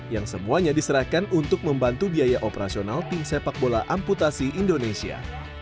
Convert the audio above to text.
yang semuanya diserahkan untuk membantu biaya operasional tim sepak bola amputasi indonesia